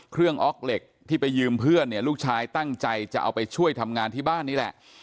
ออกเหล็กที่ไปยืมเพื่อนเนี่ยลูกชายตั้งใจจะเอาไปช่วยทำงานที่บ้านนี่แหละ